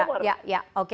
belum ada ya ya oke